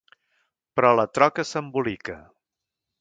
Però la troca s'embolica.